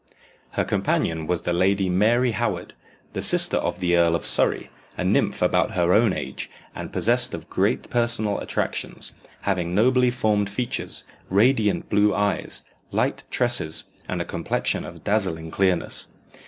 Her companion was the Lady Mary Howard, the sister of the Earl of Surrey, a nymph about her own age, and possessed of great personal attractions, having nobly formed features, radiant blue eyes, light tresses, and a complexion of dazzling clearness.